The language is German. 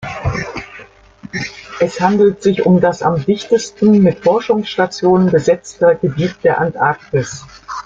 Es handelt sich um das am dichtesten mit Forschungsstationen besetzte Gebiet der Antarktis.